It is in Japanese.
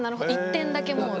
１点だけもう。